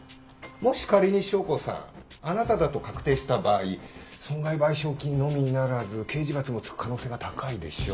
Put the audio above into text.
もし仮に翔子さんあなただと確定した場合損害賠償金のみならず刑事罰もつく可能性が高いでしょう。